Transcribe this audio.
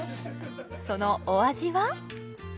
そのお味は？